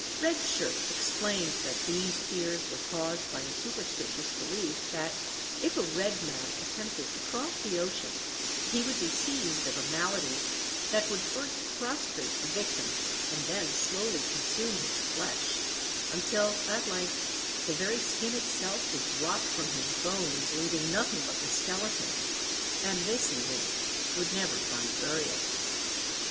Red Shirt explained that these fears were caused by a superstitious belief that if a red man attempted to cross the ocean he would be seized of a malady that would first prostrate the victim and then slowly consume his flesh, until at length the very skin itself would drop from his bones, leaving nothing but the skeleton, and this even would never find burial.